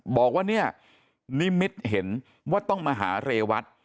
บอกว่าเนี่ยนิมิตเห็นว่าต้องมาหาเรวัต